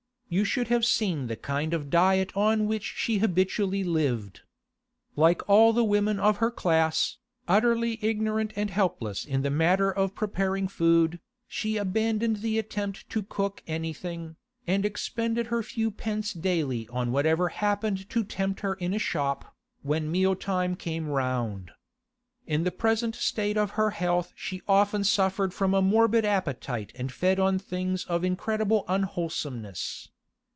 You should have seen the kind of diet on which she habitually lived. Like all the women of her class, utterly ignorant and helpless in the matter of preparing food, she abandoned the attempt to cook anything, and expended her few pence daily on whatever happened to tempt her in a shop, when meal time came round. In the present state of her health she often suffered from a morbid appetite and fed on things of incredible unwholesomeness.